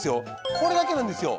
これだけなんですよ。